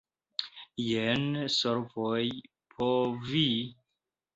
Jen solvoj por vi.